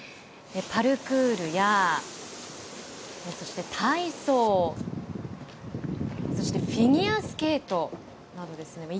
パルクールやそして体操そしてフィギュアスケートなどですね